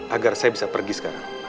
agar saya bisa pergi sekarang